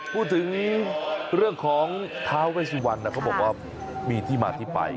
พูดถึงเรื่องของท้าเวสุวรรณเขาบอกว่ามีที่มาที่ไป